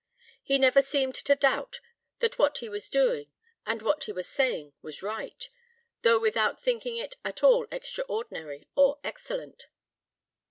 He never seemed to doubt that what he was doing and what he was saying was right, though without thinking it at all extraordinary or excellent.